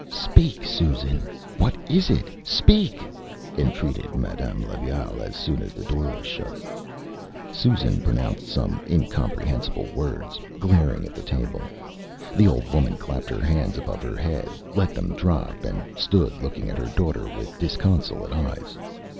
ÂSpeak, Susan. What is it? Speak!Â entreated Madame Levaille, as soon as the door was shut. Susan pronounced some incomprehensible words, glaring at the table. The old woman clapped her hands above her head, let them drop, and stood looking at her daughter with disconsolate eyes.